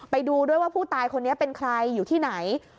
ไปดูด้วยว่าผู้ตายคนนี้เป็นใครอยู่ที่ไหน